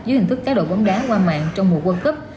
dưới hình thức cá độ bóng đá qua mạng trong mùa quân cấp